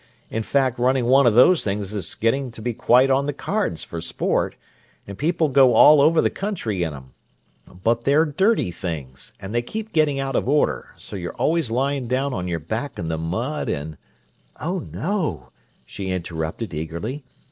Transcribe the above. In fact, running one of those things is getting to be quite on the cards for sport, and people go all over the country in 'em. But they're dirty things, and they keep getting out of order, so that you're always lying down on your back in the mud, and—" "Oh, no," she interrupted eagerly.